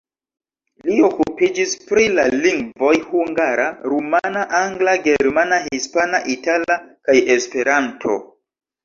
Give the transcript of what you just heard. Li okupiĝis pri la lingvoj hungara, rumana, angla, germana, hispana, itala kaj Esperanto.